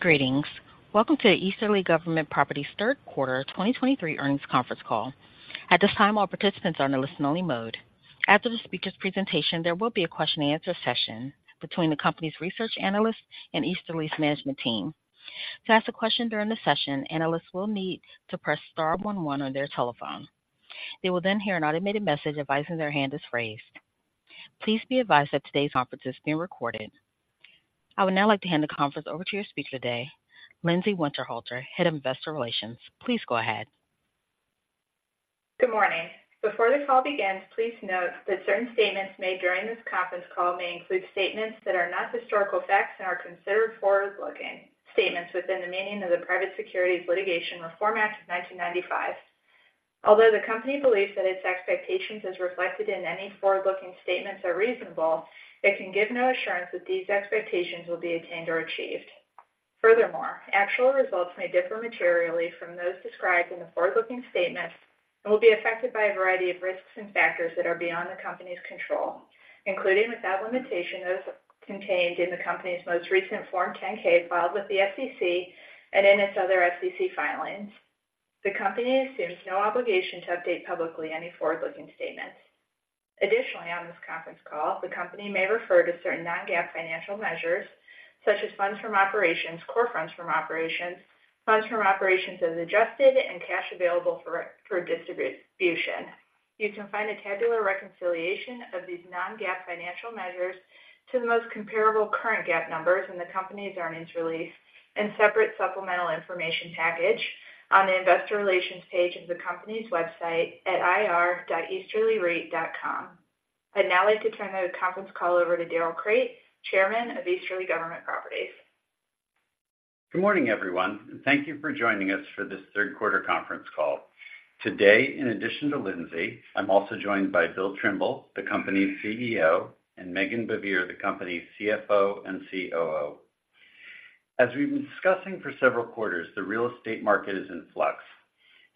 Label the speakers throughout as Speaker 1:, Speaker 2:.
Speaker 1: Greetings. Welcome to the Easterly Government Properties Third Quarter 2023 Earnings Conference Call. At this time, all participants are in a listen-only mode. After the speaker's presentation, there will be a question-and-answer session between the company's research analysts and Easterly's management team. To ask a question during the session, analysts will need to press star one one on their telephone. They will then hear an automated message advising their hand is raised. Please be advised that today's conference is being recorded. I would now like to hand the conference over to your speaker today, Lindsay Winterhalter, Head of Investor Relations. Please go ahead.
Speaker 2: Good morning. Before the call begins, please note that certain statements made during this conference call may include statements that are not historical facts and are considered forward-looking statements within the meaning of the Private Securities Litigation Reform Act of 1995. Although the company believes that its expectations as reflected in any forward-looking statements are reasonable, it can give no assurance that these expectations will be attained or achieved. Furthermore, actual results may differ materially from those described in the forward-looking statements and will be affected by a variety of risks and factors that are beyond the company's control, including without limitation, those contained in the company's most recent Form 10-K filed with the SEC and in its other SEC filings. The company assumes no obligation to update publicly any forward-looking statements. Additionally, on this conference call, the company may refer to certain non-GAAP financial measures, such as Funds From Operations, Core Funds From Operations, Funds From Operations as Adjusted, and Cash Available for Distribution. You can find a tabular reconciliation of these non-GAAP financial measures to the most comparable current GAAP numbers in the company's earnings release and separate supplemental information package on the investor relations page of the company's website at ir.easterlyreit.com. I'd now like to turn the conference call over to Darrell Crate, Chairman of Easterly Government Properties.
Speaker 3: Good morning, everyone, and thank you for joining us for this third quarter conference call. Today, in addition to Lindsay, I'm also joined by Bill Trimble, the company's CEO, and Meghan Baivier, the company's CFO and COO. As we've been discussing for several quarters, the real estate market is in flux,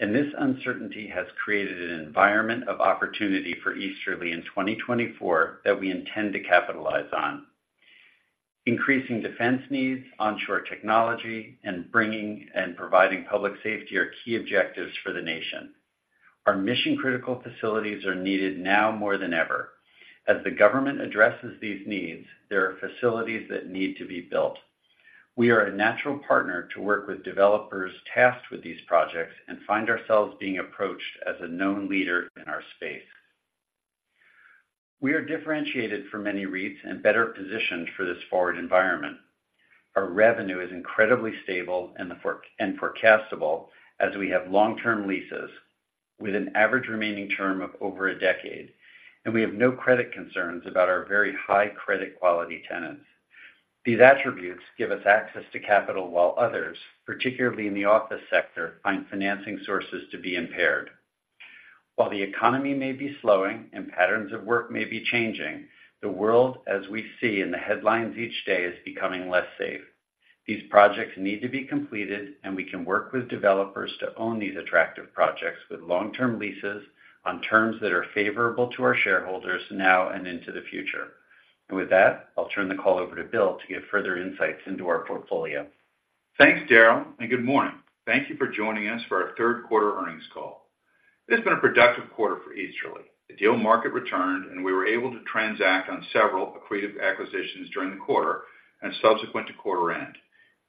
Speaker 3: and this uncertainty has created an environment of opportunity for Easterly in 2024 that we intend to capitalize on. Increasing defense needs, onshore technology, and bringing and providing public safety are key objectives for the nation. Our mission-critical facilities are needed now more than ever. As the government addresses these needs, there are facilities that need to be built. We are a natural partner to work with developers tasked with these projects and find ourselves being approached as a known leader in our space. We are differentiated from many REITs and better positioned for this forward environment. Our revenue is incredibly stable and forecastable as we have long-term leases with an average remaining term of over a decade, and we have no credit concerns about our very high credit quality tenants. These attributes give us access to capital, while others, particularly in the office sector, find financing sources to be impaired. While the economy may be slowing and patterns of work may be changing, the world, as we see in the headlines each day, is becoming less safe. These projects need to be completed, and we can work with developers to own these attractive projects with long-term leases on terms that are favorable to our shareholders now and into the future. With that, I'll turn the call over to Bill to give further insights into our portfolio.
Speaker 4: Thanks, Darrell, and good morning. Thank you for joining us for our third quarter earnings call. It's been a productive quarter for Easterly. The deal market returned, and we were able to transact on several accretive acquisitions during the quarter and subsequent to quarter end.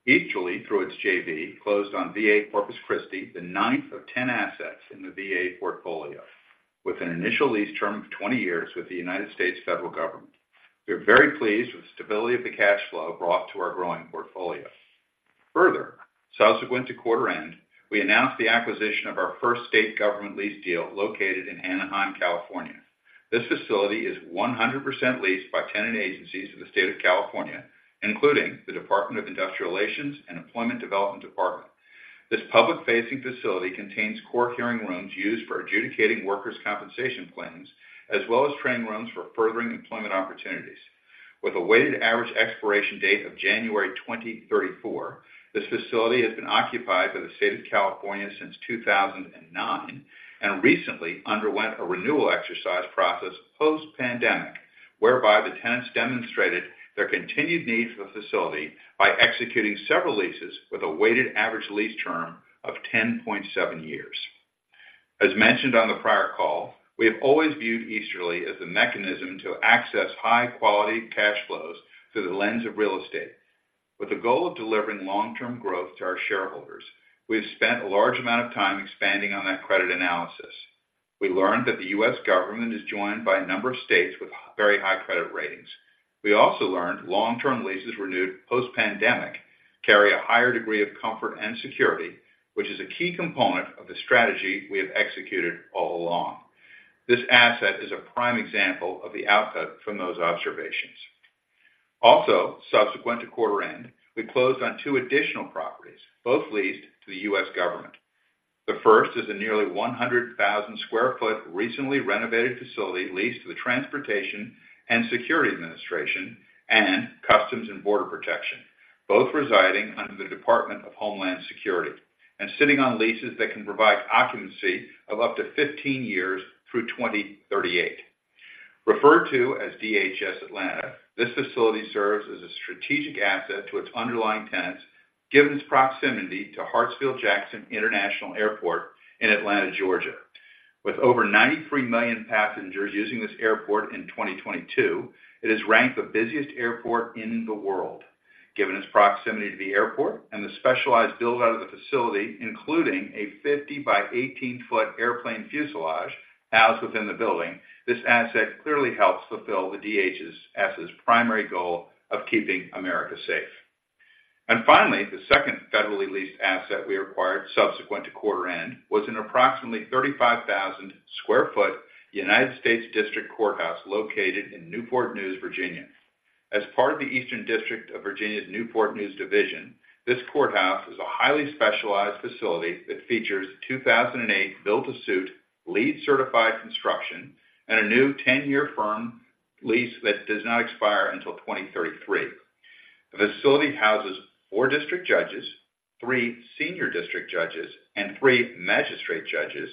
Speaker 4: Easterly, through its JV, closed on VA Corpus Christi, the ninth of 10 assets in the VA portfolio, with an initial lease term of 20 years with the U.S. Federal Government. We are very pleased with the stability of the cash flow brought to our growing portfolio. Further, subsequent to quarter end, we announced the acquisition of our first state government lease deal located in Anaheim, California. This facility is 100% leased by tenant agencies of the state of California, including the Department of Industrial Relations and Employment Development Department. This public-facing facility contains core hearing rooms used for adjudicating workers' compensation claims, as well as training rooms for furthering employment opportunities. With a weighted average expiration date of January 2034, this facility has been occupied by the state of California since 2009 and recently underwent a renewal exercise process post-pandemic, whereby the tenants demonstrated their continued need for the facility by executing several leases with a weighted average lease term of 10.7 years. As mentioned on the prior call, we have always viewed Easterly as a mechanism to access high-quality cash flows through the lens of real estate. With the goal of delivering long-term growth to our shareholders, we have spent a large amount of time expanding on that credit analysis. We learned that the U.S. government is joined by a number of states with very high credit ratings. We also learned long-term leases renewed post-pandemic carry a higher degree of comfort and security, which is a key component of the strategy we have executed all along. This asset is a prime example of the output from those observations. Also, subsequent to quarter end, we closed on two additional properties, both leased to the U.S. government. The first is a nearly 100,000 sq ft, recently renovated facility leased to the Transportation Security Administration and Customs and Border Protection, both residing under the Department of Homeland Security and sitting on leases that can provide occupancy of up to 15 years through 2038, referred to as DHS Atlanta. This facility serves as a strategic asset to its underlying tenants, given its proximity to Hartsfield-Jackson International Airport in Atlanta, Georgia. With over 93 million passengers using this airport in 2022, it is ranked the busiest airport in the world. Given its proximity to the airport and the specialized build out of the facility, including a 50 by 18-foot airplane fuselage housed within the building, this asset clearly helps fulfill the DHS's primary goal of keeping America safe. Finally, the second federally leased asset we acquired subsequent to quarter end, was an approximately 35,000 sq ft United States District Courthouse located in Newport News, Virginia. As part of the Eastern District of Virginia's Newport News Division, this courthouse is a highly specialized facility that features a 2008 built-to-suit, LEED certified construction, and a new 10-year firm lease that does not expire until 2033. The facility houses four district judges, three senior district judges, and three magistrate judges,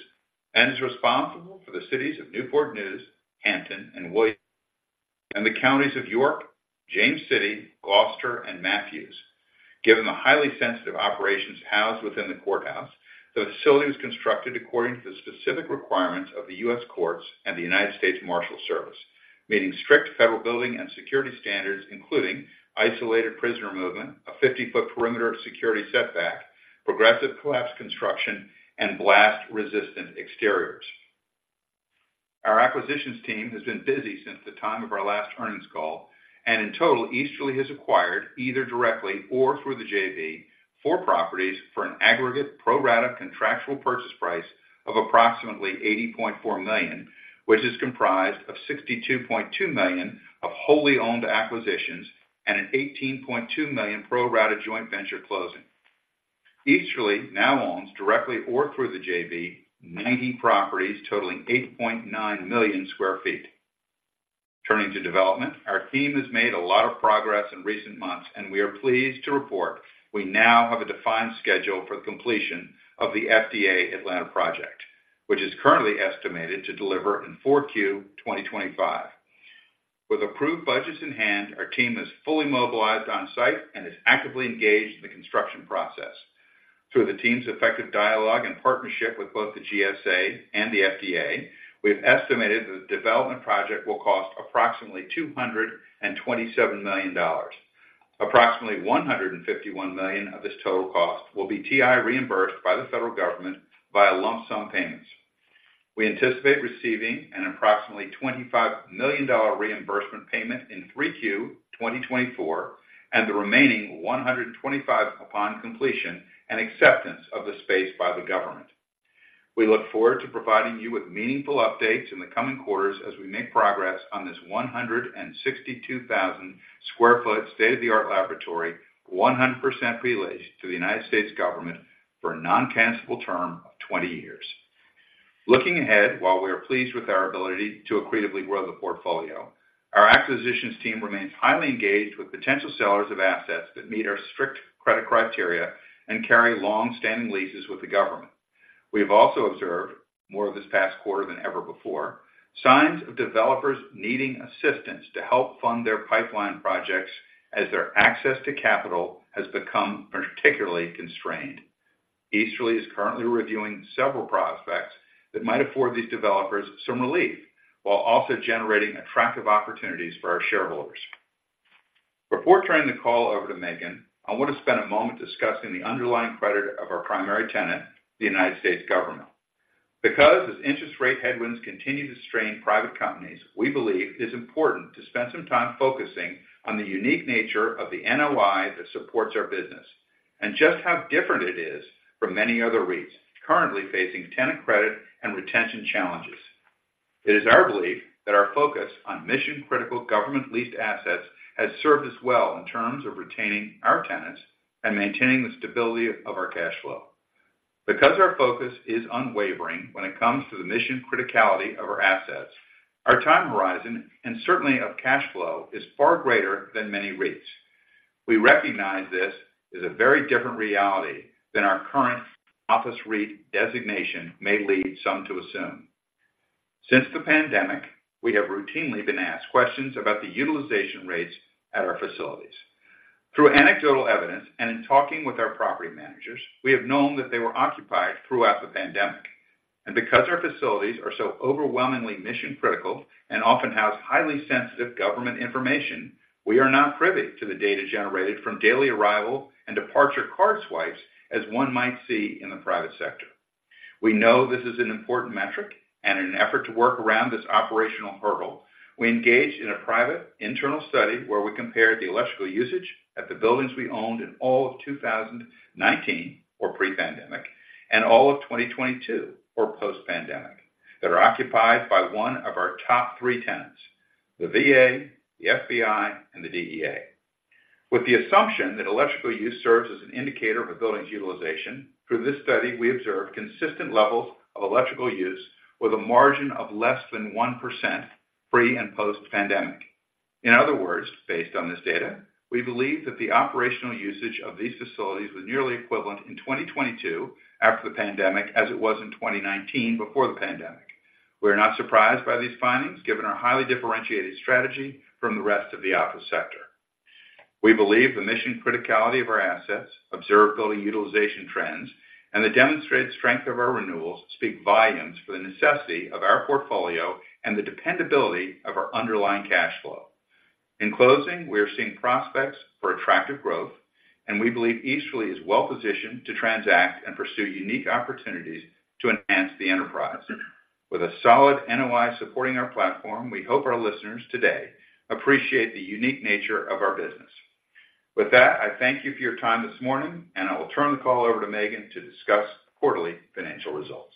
Speaker 4: and is responsible for the cities of Newport News, Hampton, and Williamsburg, and the counties of York, James City, Gloucester, and Mathews. Given the highly sensitive operations housed within the courthouse, the facility was constructed according to the specific requirements of the U.S. Courts and the United States Marshals Service, meeting strict federal building and security standards, including isolated prisoner movement, a 50-foot perimeter of security setback, progressive collapse construction, and blast-resistant exteriors. Our acquisitions team has been busy since the time of our last earnings call, and in total, Easterly has acquired, either directly or through the JV, 4 properties for an aggregate pro rata contractual purchase price of approximately $80.4 million, which is comprised of $62.2 million of wholly owned acquisitions and an $18.2 million pro rata joint venture closing. Easterly now owns, directly or through the JV, 90 properties totaling 8.9 million sq ft. Turning to development, our team has made a lot of progress in recent months, and we are pleased to report we now have a defined schedule for the completion of the FDA Atlanta project, which is currently estimated to deliver in Q4 2025. With approved budgets in hand, our team is fully mobilized on site and is actively engaged in the construction process. Through the team's effective dialogue and partnership with both the GSA and the FDA, we've estimated that the development project will cost approximately $227 million. Approximately $151 million of this total cost will be TI reimbursed by the federal government via lump sum payments. We anticipate receiving an approximately $25 million reimbursement payment in Q3 2024, and the remaining $125 million upon completion and acceptance of the space by the government. We look forward to providing you with meaningful updates in the coming quarters as we make progress on this 162,000 sq ft, state-of-the-art laboratory, 100% preleased to the United States government for a non-cancellable term of 20 years. Looking ahead, while we are pleased with our ability to accretively grow the portfolio, our acquisitions team remains highly engaged with potential sellers of assets that meet our strict credit criteria and carry long-standing leases with the government. We have also observed, more this past quarter than ever before, signs of developers needing assistance to help fund their pipeline projects as their access to capital has become particularly constrained. Easterly is currently reviewing several prospects that might afford these developers some relief, while also generating attractive opportunities for our shareholders. Before turning the call over to Meghan, I want to spend a moment discussing the underlying credit of our primary tenant, the United States government. Because as interest rate headwinds continue to strain private companies, we believe it is important to spend some time focusing on the unique nature of the NOI that supports our business, and just how different it is from many other REITs currently facing tenant credit and retention challenges. It is our belief that our focus on mission-critical government leased assets has served us well in terms of retaining our tenants and maintaining the stability of our cash flow. Because our focus is unwavering when it comes to the mission criticality of our assets, our time horizon, and certainly of cash flow, is far greater than many REITs. We recognize this is a very different reality than our current office REIT designation may lead some to assume. Since the pandemic, we have routinely been asked questions about the utilization rates at our facilities. Through anecdotal evidence and in talking with our property managers, we have known that they were occupied throughout the pandemic. Because our facilities are so overwhelmingly mission critical and often house highly sensitive government information, we are not privy to the data generated from daily arrival and departure card swipes, as one might see in the private sector. We know this is an important metric, and in an effort to work around this operational hurdle, we engaged in a private internal study where we compared the electrical usage at the buildings we owned in all of 2019, or pre-pandemic, and all of 2022, or post-pandemic, that are occupied by one of our top three tenants: the VA, the FBI, and the DEA. With the assumption that electrical use serves as an indicator of a building's utilization, through this study, we observed consistent levels of electrical use with a margin of less than 1% pre and post-pandemic. In other words, based on this data, we believe that the operational usage of these facilities was nearly equivalent in 2022, after the pandemic, as it was in 2019, before the pandemic. We are not surprised by these findings, given our highly differentiated strategy from the rest of the office sector. We believe the mission criticality of our assets, observed building utilization trends, and the demonstrated strength of our renewals speak volumes for the necessity of our portfolio and the dependability of our underlying cash flow. In closing, we are seeing prospects for attractive growth, and we believe Easterly is well positioned to transact and pursue unique opportunities to enhance the enterprise. With a solid NOI supporting our platform, we hope our listeners today appreciate the unique nature of our business. With that, I thank you for your time this morning, and I will turn the call over to Meghan to discuss quarterly financial results.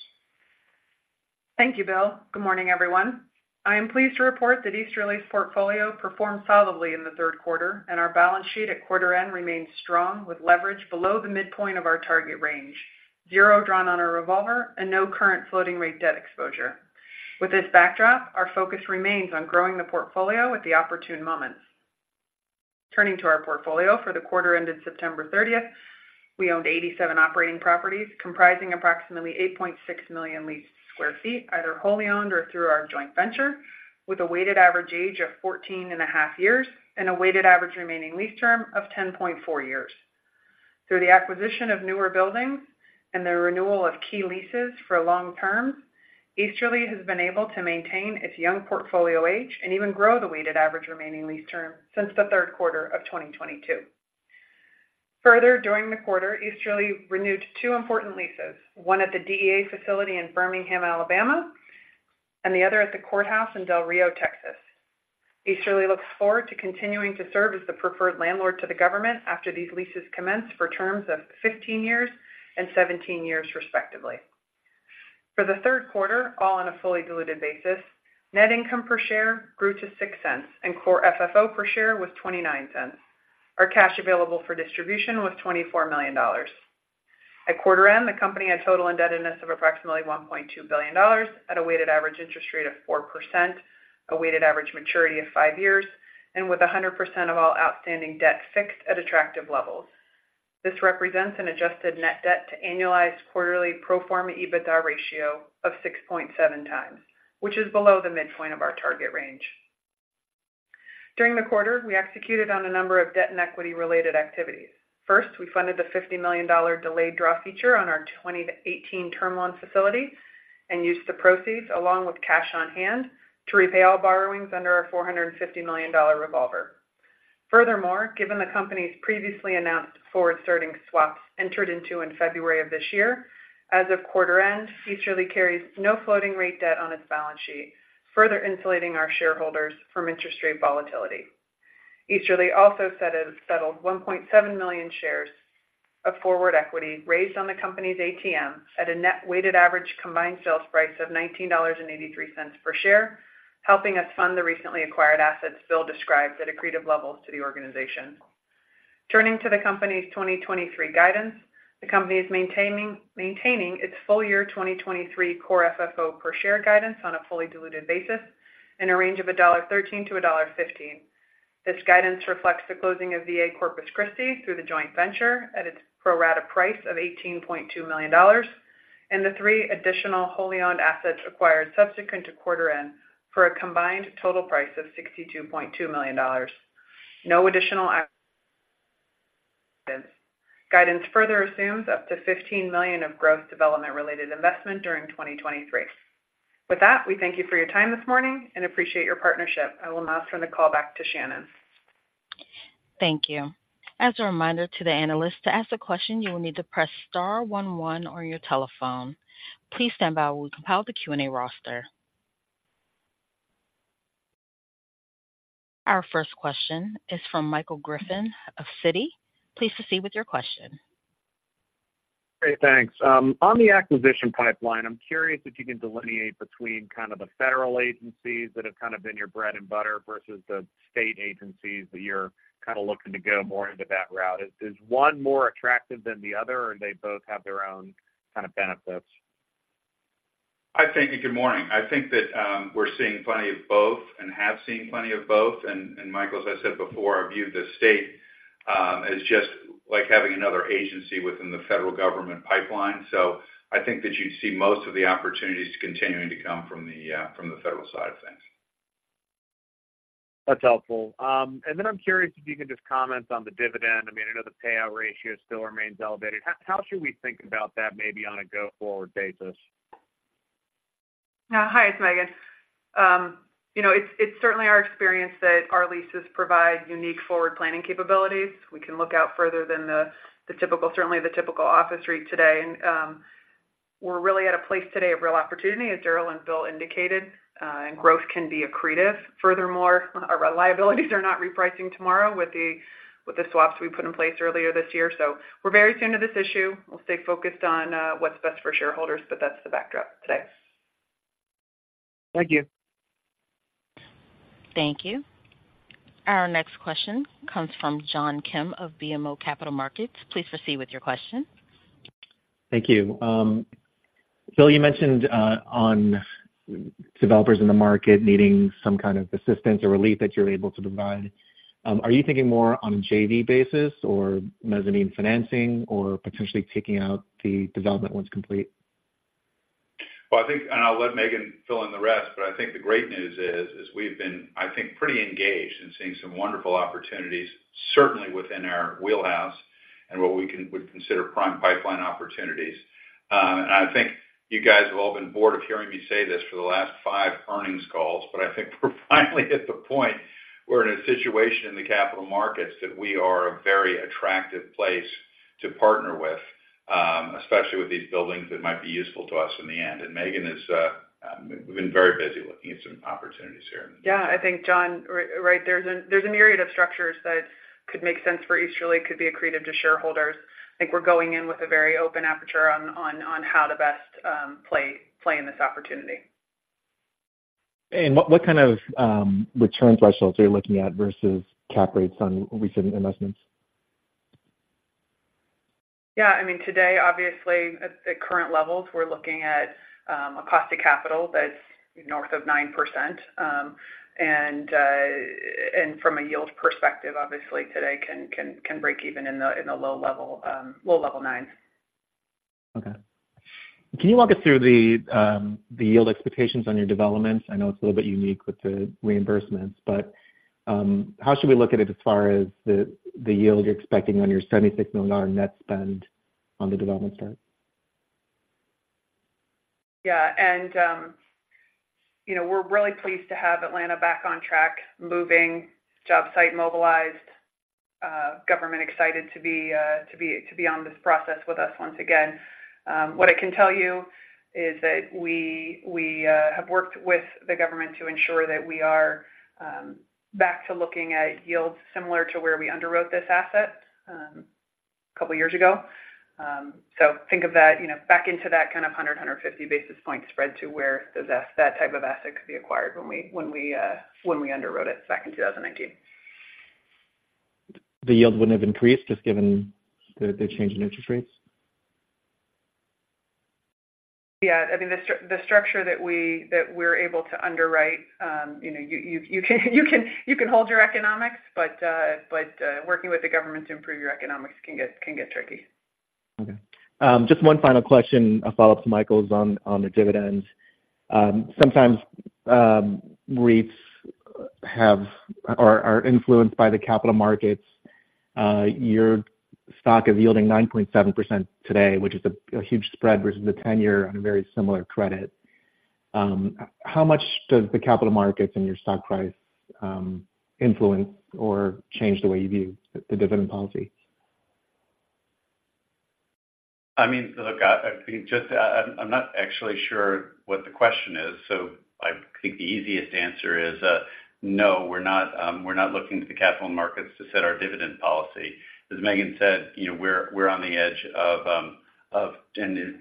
Speaker 5: Thank you, Bill. Good morning, everyone. I am pleased to report that Easterly's portfolio performed solidly in the third quarter, and our balance sheet at quarter end remains strong, with leverage below the midpoint of our target range, 0 drawn on our revolver, and no current floating rate debt exposure. With this backdrop, our focus remains on growing the portfolio at the opportune moments. Turning to our portfolio for the quarter ended September 30, we owned 87 operating properties, comprising approximately 8.6 million leased sq ft, either wholly owned or through our joint venture, with a weighted average age of 14.5 years and a weighted average remaining lease term of 10.4 years. Through the acquisition of newer buildings and the renewal of key leases for long term, Easterly has been able to maintain its young portfolio age and even grow the weighted average remaining lease term since the third quarter of 2022. Further, during the quarter, Easterly renewed two important leases, one at the DEA facility in Birmingham, Alabama, and the other at the courthouse in Del Rio, Texas. Easterly looks forward to continuing to serve as the preferred landlord to the government after these leases commence for terms of 15 years and 17 years, respectively. For the third quarter, all on a fully diluted basis, net income per share grew to $0.06, and Core FFO per share was $0.29. Our cash available for distribution was $24 million. At quarter end, the company had total indebtedness of approximately $1.2 billion at a weighted average interest rate of 4%, a weighted average maturity of 5 years, and with 100% of all outstanding debt fixed at attractive levels. This represents an adjusted net debt to annualized quarterly pro forma EBITDA ratio of 6.7x, which is below the midpoint of our target range. During the quarter, we executed on a number of debt and equity-related activities. First, we funded the $50 million delayed draw feature on our 2018 term loan facility and used the proceeds, along with cash on hand, to repay all borrowings under our $450 million revolver. Furthermore, given the company's previously announced forward starting swaps entered into in February of this year, as of quarter end, Easterly carries no floating rate debt on its balance sheet, further insulating our shareholders from interest rate volatility. Easterly also settled 1.7 million shares of forward equity raised on the company's ATM at a net weighted average combined sales price of $19.83 per share, helping us fund the recently acquired assets Bill described at accretive levels to the organization. Turning to the company's 2023 guidance, the company is maintaining its full-year 2023 core FFO per share guidance on a fully diluted basis in a range of $1.13-$1.15. This guidance reflects the closing of VA Corpus Christi through the joint venture at its pro rata price of $18.2 million, and the 3 additional wholly owned assets acquired subsequent to quarter end for a combined total price of $62.2 million. No additional acquisition guidance. Guidance further assumes up to $15 million of gross development-related investment during 2023. With that, we thank you for your time this morning and appreciate your partnership. I will now turn the call back to Shannon.
Speaker 1: Thank you. As a reminder to the analyst, to ask a question, you will need to press star one one on your telephone. Please stand by while we compile the Q&A roster. Our first question is from Michael Griffin of Citi. Please proceed with your question.
Speaker 6: Great, thanks. On the acquisition pipeline, I'm curious if you can delineate between kind of the federal agencies that have kind of been your bread and butter versus the state agencies that you're kind of looking to go more into that route. Is one more attractive than the other, or they both have their own kind of benefits?
Speaker 4: I think, and good morning. I think that we're seeing plenty of both and have seen plenty of both. And Michael, as I said before, I view the state as just like having another agency within the federal government pipeline. So I think that you see most of the opportunities continuing to come from the federal side of things.
Speaker 6: That's helpful. And then I'm curious if you can just comment on the dividend. I mean, I know the payout ratio still remains elevated. How should we think about that maybe on a go-forward basis?
Speaker 5: Hi, it's Meghan. You know, it's certainly our experience that our leases provide unique forward planning capabilities. We can look out further than the typical office REIT today. We're really at a place today of real opportunity, as Darrell and Bill indicated, and growth can be accretive. Furthermore, our liabilities are not repricing tomorrow with the swaps we put in place earlier this year. So we're very tuned to this issue. We'll stay focused on what's best for shareholders, but that's the backdrop today.
Speaker 6: Thank you.
Speaker 1: Thank you. Our next question comes from John Kim of BMO Capital Markets. Please proceed with your question....
Speaker 7: Thank you. Bill, you mentioned on developers in the market needing some kind of assistance or relief that you're able to provide. Are you thinking more on a JV basis or mezzanine financing, or potentially taking out the development once complete?
Speaker 3: Well, I think, and I'll let Meghan fill in the rest, but I think the great news is we've been, I think, pretty engaged in seeing some wonderful opportunities, certainly within our wheelhouse and what we would consider prime pipeline opportunities. And I think you guys have all been bored of hearing me say this for the last five earnings calls, but I think we're finally at the point where in a situation in the capital markets, that we are a very attractive place to partner with, especially with these buildings that might be useful to us in the end. And Meghan is, we've been very busy looking at some opportunities here.
Speaker 5: Yeah, I think, John, right. There's a myriad of structures that could make sense for Easterly, could be accretive to shareholders. I think we're going in with a very open aperture on how to best play in this opportunity.
Speaker 7: What kind of return thresholds are you looking at versus cap rates on recent investments?
Speaker 5: Yeah, I mean, today, obviously, at the current levels, we're looking at a cost of capital that's north of 9%. And from a yield perspective, obviously, today, can break even in the low level 9%.
Speaker 7: Okay. Can you walk us through the, the yield expectations on your developments? I know it's a little bit unique with the reimbursements, but, how should we look at it as far as the, the yield you're expecting on your $76 million net spend on the development side?
Speaker 5: Yeah, and, you know, we're really pleased to have Atlanta back on track, moving, job site mobilized, government excited to be on this process with us once again. What I can tell you is that we have worked with the government to ensure that we are back to looking at yields similar to where we underwrote this asset, a couple of years ago. So think of that, you know, back into that kind of 150 basis point spread to where that type of asset could be acquired when we underwrote it back in 2019.
Speaker 7: The yield wouldn't have increased just given the change in interest rates?
Speaker 5: Yeah, I mean, the structure that we're able to underwrite, you know, you can hold your economics, but working with the government to improve your economics can get tricky.
Speaker 7: Okay. Just one final question, a follow-up to Michael's on the dividends. Sometimes REITs are influenced by the capital markets. Your stock is yielding 9.7% today, which is a huge spread versus the 10-year on a very similar credit. How much does the capital markets and your stock price influence or change the way you view the dividend policy?
Speaker 3: I mean, look, I think just, I'm not actually sure what the question is, so I think the easiest answer is, no, we're not, we're not looking to the capital markets to set our dividend policy. As Meghan said, you know, we're on the edge of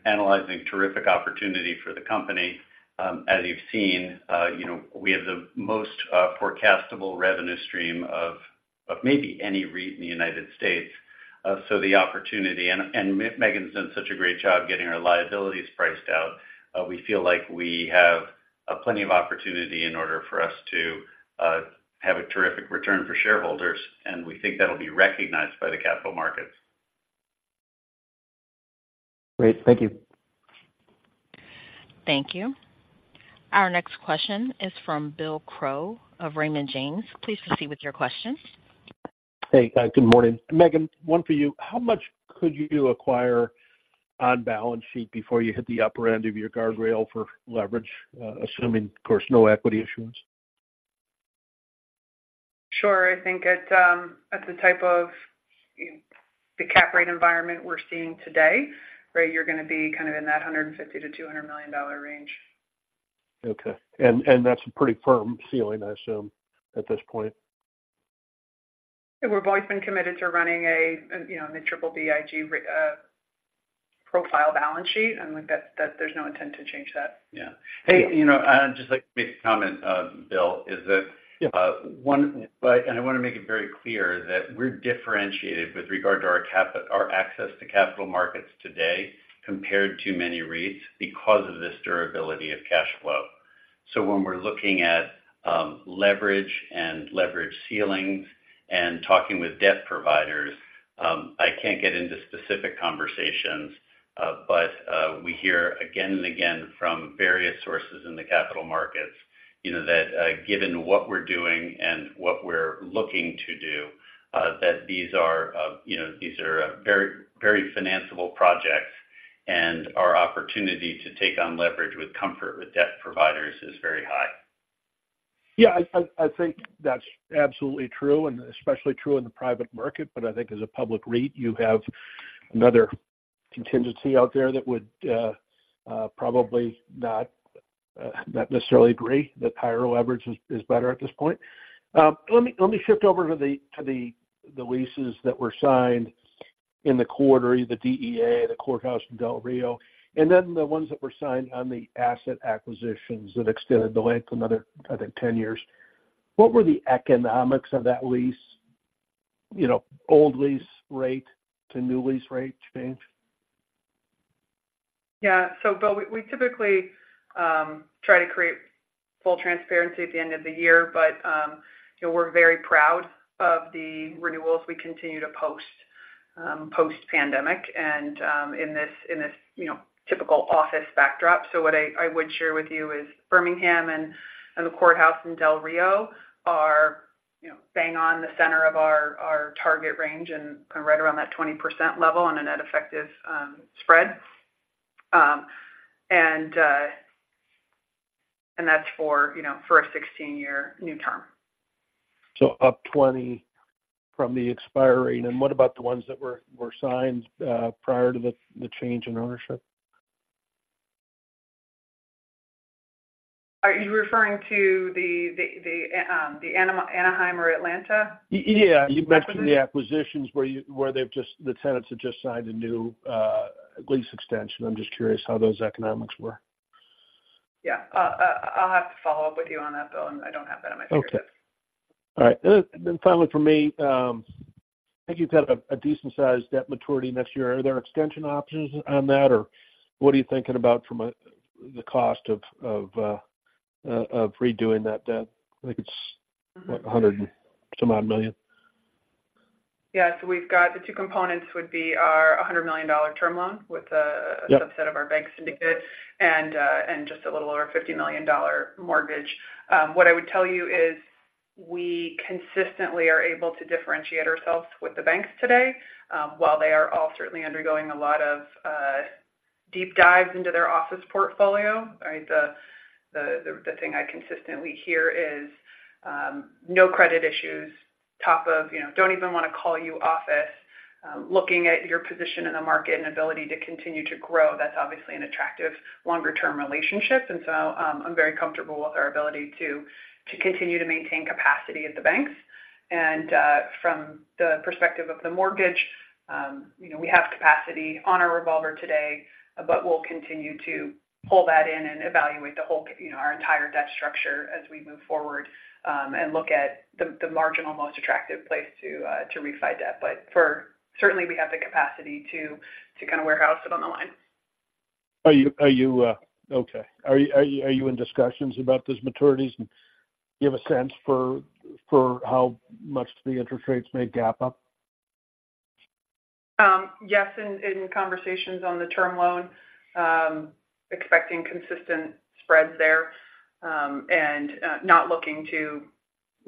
Speaker 3: analyzing terrific opportunity for the company. As you've seen, you know, we have the most forecastable revenue stream of maybe any REIT in the United States. So the opportunity, Meghan's done such a great job getting our liabilities priced out. We feel like we have plenty of opportunity in order for us to have a terrific return for shareholders, and we think that'll be recognized by the capital markets.
Speaker 7: Great. Thank you.
Speaker 1: Thank you. Our next question is from Bill Crowe of Raymond James. Please proceed with your question.
Speaker 8: Hey, guys. Good morning. Meghan, one for you. How much could you acquire on balance sheet before you hit the upper end of your guardrail for leverage, assuming, of course, no equity issuance?
Speaker 5: Sure. I think at the type of, you know, the cap rate environment we're seeing today, right, you're gonna be kind of in that $150 million-$200 million range.
Speaker 8: Okay. And that's a pretty firm ceiling, I assume, at this point?
Speaker 5: We've always been committed to running a, you know, a Triple-B IG profile balance sheet, and that's, there's no intent to change that.
Speaker 3: Yeah. Hey, you know, I'd just like to make a comment, Bill, is that-
Speaker 8: Yeah.
Speaker 3: One, but I want to make it very clear that we're differentiated with regard to our access to capital markets today compared to many REITs because of this durability of cash flow. So when we're looking at leverage and leverage ceilings and talking with debt providers, I can't get into specific conversations, but we hear again and again from various sources in the capital markets, you know, that given what we're doing and what we're looking to do, that these are, you know, these are very, very financiable projects, and our opportunity to take on leverage with comfort with debt providers is very high.
Speaker 8: Yeah, I think that's absolutely true and especially true in the private market, but I think as a public REIT, you have another contingency out there that would probably not necessarily agree that higher leverage is better at this point. Let me shift over to the leases that were signed in the quarter, the DEA, the courthouse in Del Rio, and then the ones that were signed on the asset acquisitions that extended the length another, I think, 10 years. What were the economics of that lease? You know, old lease rate to new lease rate change?
Speaker 5: Yeah. So, Bill, we, we typically try to create full transparency at the end of the year, but, you know, we're very proud of the renewals we continue to post, post-pandemic and, in this, in this, you know, typical office backdrop. So what I, I would share with you is Birmingham and, and the courthouse in Del Rio are, you know, bang on the center of our, our target range and right around that 20% level on a net effective spread. And that's for, you know, for a 16-year new term.
Speaker 8: Up 20 from the expire rate. What about the ones that were signed prior to the change in ownership?
Speaker 5: Are you referring to the Anaheim or Atlanta?
Speaker 8: Yeah. You mentioned the acquisitions where the tenants have just signed a new lease extension. I'm just curious how those economics were.
Speaker 5: Yeah. I'll have to follow up with you on that, Bill. I don't have that on my fingers.
Speaker 8: Okay. All right. Then finally, for me, I think you've got a decent sized debt maturity next year. Are there extension options on that, or what are you thinking about from a-- the cost of redoing that debt? I think it's like $100 and some odd million.
Speaker 5: Yeah. So we've got the two components would be our $100 million term loan with a-
Speaker 8: Yeah...
Speaker 5: subset of our banks syndicated and just a little over $50 million mortgage. What I would tell you is, we consistently are able to differentiate ourselves with the banks today, while they are all certainly undergoing a lot of deep dives into their office portfolio, right? The thing I consistently hear is, no credit issues, top of, you know, don't even want to call you office, looking at your position in the market and ability to continue to grow. That's obviously an attractive longer-term relationship, and so, I'm very comfortable with our ability to continue to maintain capacity at the banks. From the perspective of the mortgage, you know, we have capacity on our revolver today, but we'll continue to pull that in and evaluate the whole, you know, our entire debt structure as we move forward, and look at the marginal, most attractive place to refi debt. But certainly, we have the capacity to kind of warehouse it on the line.
Speaker 8: Are you okay? Are you in discussions about those maturities, and do you have a sense for how much the interest rates may gap up?
Speaker 5: Yes, in conversations on the term loan, expecting consistent spreads there, and not looking to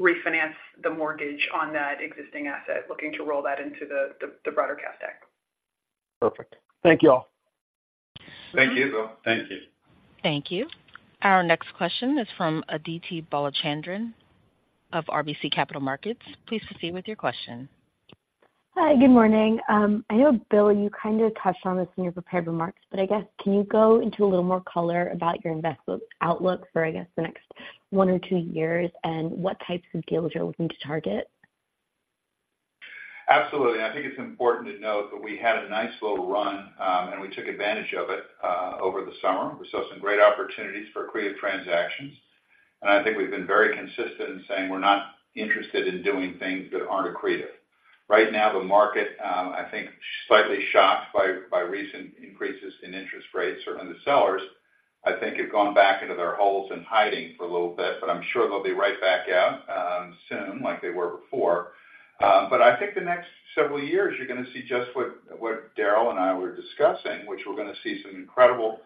Speaker 5: refinance the mortgage on that existing asset, looking to roll that into the broader capital stack.
Speaker 8: Perfect. Thank you all.
Speaker 4: Thank you, Bill. Thank you.
Speaker 1: Thank you. Our next question is from Aditi Balachandran of RBC Capital Markets. Please proceed with your question.
Speaker 9: Hi, good morning. I know, Bill, you kind of touched on this in your prepared remarks, but I guess, can you go into a little more color about your investment outlook for, I guess, the next one or two years, and what types of deals you're looking to target?
Speaker 4: Absolutely. I think it's important to note that we had a nice little run, and we took advantage of it over the summer. We saw some great opportunities for accretive transactions, and I think we've been very consistent in saying we're not interested in doing things that aren't accretive. Right now, the market, I think, slightly shocked by, by recent increases in interest rates. Certainly, the sellers, I think, have gone back into their holes and hiding for a little bit, but I'm sure they'll be right back out, soon, like they were before. But I think the next several years, you're going to see just what, what Darrell and I were discussing, which we're going to see some incredible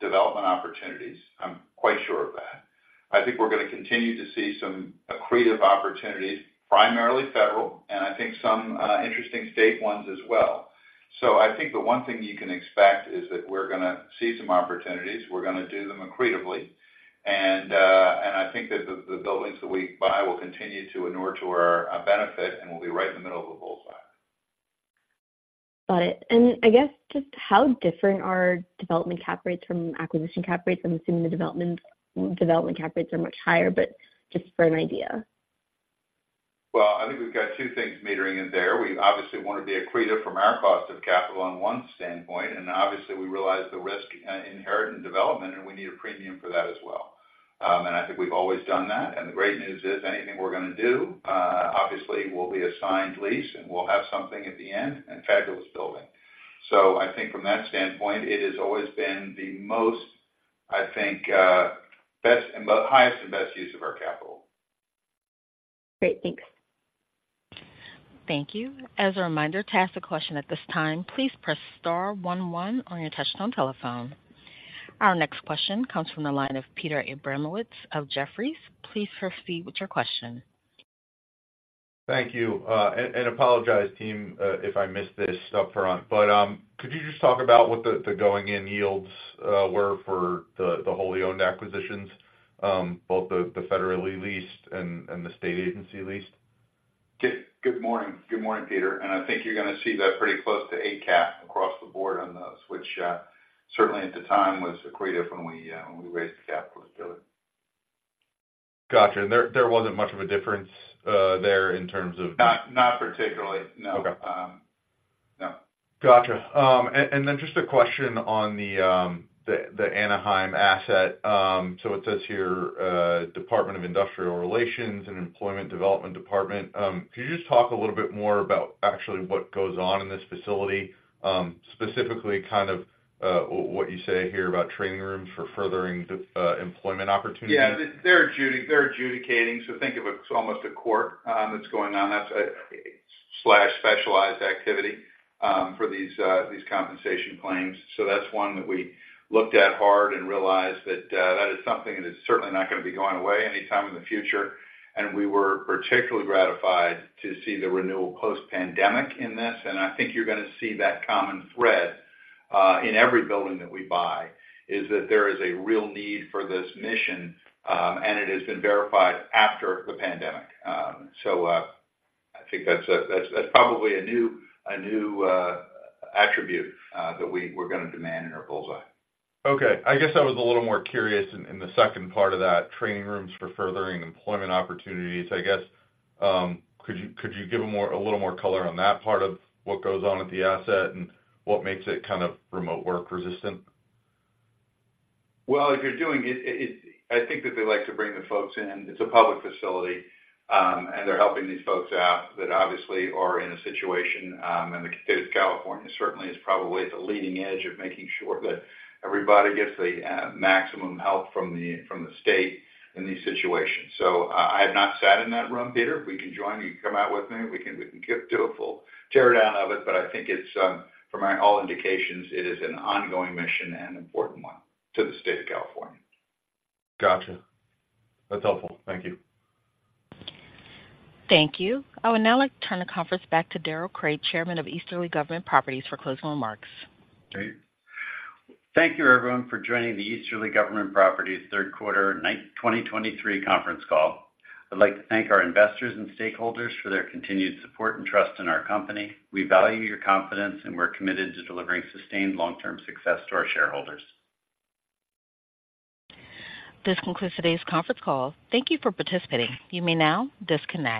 Speaker 4: development opportunities. I'm quite sure of that. I think we're going to continue to see some accretive opportunities, primarily federal, and I think some interesting state ones as well. So I think the one thing you can expect is that we're going to see some opportunities, we're going to do them accretively, and, and I think that the buildings that we buy will continue to inure to our benefit, and we'll be right in the middle of the bullseye.
Speaker 9: Got it. And I guess just how different are development cap rates from acquisition cap rates? I'm assuming the development, development cap rates are much higher, but just for an idea.
Speaker 4: Well, I think we've got two things mattering in there. We obviously want to be accretive from our cost of capital on one standpoint, and obviously, we realize the risk inherent in development, and we need a premium for that as well. And I think we've always done that, and the great news is, anything we're going to do, obviously, will be a signed lease, and we'll have something at the end, a fabulous building. So I think from that standpoint, it has always been the most, I think, highest and best use of our capital.
Speaker 9: Great. Thanks.
Speaker 1: Thank you. As a reminder, to ask a question at this time, please press star one one on your touchtone telephone. Our next question comes from the line of Peter Abramowitz of Jefferies. Please proceed with your question.
Speaker 10: Thank you. Apologize, team, if I missed this upfront, but could you just talk about what the going-in yields were for the wholly owned acquisitions, both the federally leased and the state agency leased?
Speaker 4: Good morning. Good morning, Peter, and I think you're going to see that pretty close to ACAP across the board on those, which certainly at the time was accretive when we raised the capital with Bill.
Speaker 10: Got you. And there wasn't much of a difference there in terms of-
Speaker 4: Not particularly, no.
Speaker 10: Okay. Gotcha. And then just a question on the Anaheim asset. So it says here, Department of Industrial Relations and Employment Development Department. Could you just talk a little bit more about actually what goes on in this facility? Specifically, kind of, what you say here about training rooms for furthering the employment opportunities.
Speaker 4: Yeah, they're adjudicating, so think of it as almost a court that's going on. That's a specialized activity for these compensation claims. So that's one that we looked at hard and realized that that is something that is certainly not gonna be going away anytime in the future. We were particularly gratified to see the renewal post-pandemic in this. I think you're gonna see that common thread in every building that we buy, is that there is a real need for this mission, and it has been verified after the pandemic. So I think that's probably a new attribute that we're gonna demand in our bullseye.
Speaker 10: Okay. I guess I was a little more curious in the second part of that, training rooms for furthering employment opportunities. I guess, could you give a more, a little more color on that part of what goes on at the asset and what makes it kind of remote work resistant?
Speaker 4: Well, if you're doing it, it. I think that they like to bring the folks in. It's a public facility, and they're helping these folks out that obviously are in a situation, and the state of California certainly is probably at the leading edge of making sure that everybody gets the maximum help from the state in these situations. So I have not sat in that room, Peter. We can join. You can come out with me. We can get to do a full tear down of it, but I think it's from all indications, it is an ongoing mission and an important one to the state of California.
Speaker 10: Gotcha. That's helpful. Thank you.
Speaker 1: Thank you. I would now like to turn the conference back to Darrell Crate, Chairman of Easterly Government Properties, for closing remarks.
Speaker 3: Great. Thank you, everyone, for joining the Easterly Government Properties Third Quarter 2023 Conference Call. I'd like to thank our investors and stakeholders for their continued support and trust in our company. We value your confidence, and we're committed to delivering sustained long-term success to our shareholders.
Speaker 1: This concludes today's conference call. Thank you for participating. You may now disconnect.